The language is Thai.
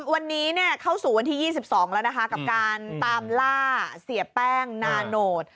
วันนี้เข้าสู่วันที่๒๒แล้วนะคะกับการตามล่าเสียแป้งนาโนต